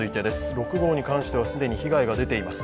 ６号に関しては既に被害が出ています。